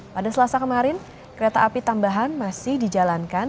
pada selasa kemarin kereta api tambahan masih dijalankan